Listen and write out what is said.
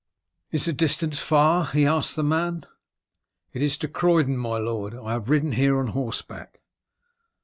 _" "Is the distance far?" he asked the man. "It is to Croydon, my lord. I have ridden here on horseback."